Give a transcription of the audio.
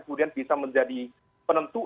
kemudian bisa menjadi penentu